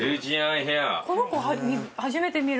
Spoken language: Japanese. この子初めて見る。